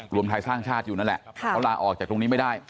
รวมไทยสร้างชาติอยู่นั่นแหละเขาลาออกจากตรงนี้ไม่ได้